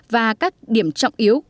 và các điểm trọng yếu